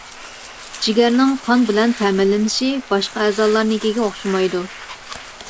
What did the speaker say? جىگەرنىڭ قان بىلەن تەمىنلىنىشى باشقا ئەزالارنىڭكىگە ئوخشىمايدۇ.